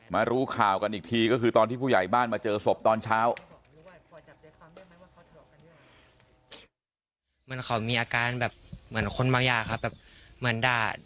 รู้ข่าวกันอีกทีก็คือตอนที่ผู้ใหญ่บ้านมาเจอศพตอนเช้า